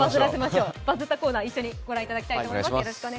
バズったコーナー、一緒にご覧いただきたいと思います。